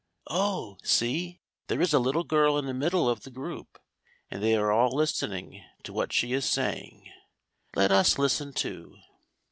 Oh, see! there is a little girl in the middle of the group, and they are all listening to what she is saying. Let us listen too.